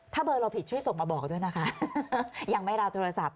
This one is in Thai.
ถ้าเบอร์เราผิดช่วยส่งมาบอกด้วยนะคะยังไม่รับโทรศัพท์